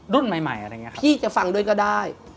รุ่นใหม่อะไรอย่างนี้พี่จะฟังด้วยก็ได้